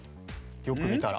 よく見たら。